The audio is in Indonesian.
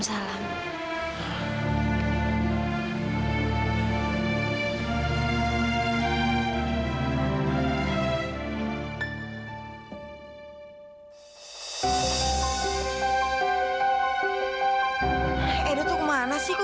oh iya duduk tante